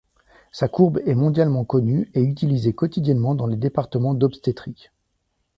Sa courbe est mondialement connue et utilisée quotidiennement dans les départements d'obstétrique.